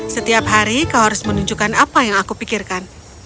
setiap hari kau harus menunjukkan apa yang aku pikirkan